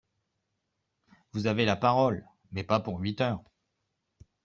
Vous avez la parole, mais pas pour huit heures